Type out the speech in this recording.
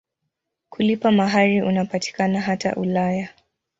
Kulipa mahari unapatikana hata Ulaya.